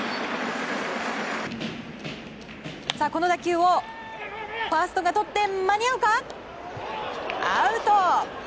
この打球をファーストがとって間に合うかアウト！